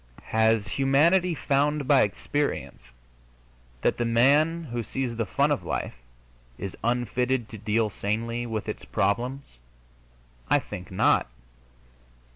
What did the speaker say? Has humanity found by experience that the man who sees the fun of life is unfitted to deal sanely with its problems? I think not.